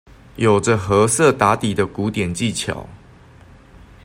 有著褐色打底的古典技巧